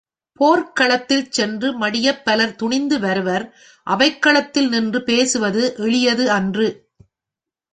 போர்க்களத்தில் சென்று மடியப் பலர் துணிந்து வருவர் அவைக்களத்தில் நின்று பேசுவது எளியது அன்று.